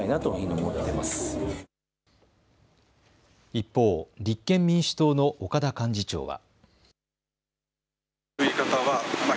一方、立憲民主党の岡田幹事長は。